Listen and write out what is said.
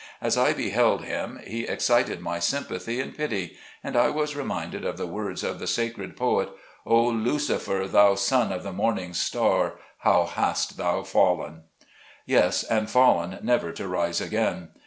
As I beheld him, he excited my sympathy and pity ; and I was reminded of the words of the sacred poet :" O Lucifer, thou Son of the morning, how hast thou fallen." Yes, and fallen never to rise again.